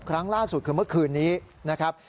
ครั้งล่าสุดคือเมื่อคืนนี้นะครับ